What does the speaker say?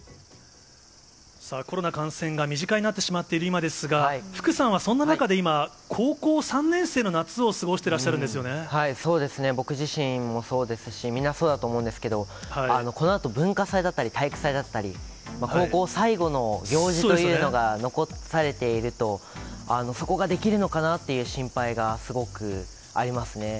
コロナ感染が身近になってしまっている今ですが、福さんはそんな中で今、高校３年生の夏を過そうですね、僕自身もそうですし、みんなそうだと思うんですけど、このあと文化祭だったり、体育祭だったり、高校最後の行事というのが残されていると、そこができるのかなっていう心配がすごくありますね。